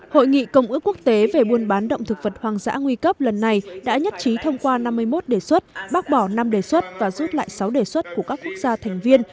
hội nghị công ước quốc tế về buôn bán động thực vật hoang dã nguy cấp lần này đã nhất trí thông qua năm mươi một đề xuất bác bỏ năm đề xuất và rút lại sáu đề xuất của các quốc gia thành viên